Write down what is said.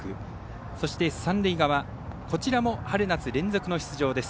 そして、三塁側こちらも春夏連続の出場です。